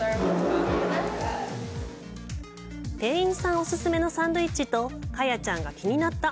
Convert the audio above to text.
店員さんお勧めのサンドイッチとカヤちゃんが気になった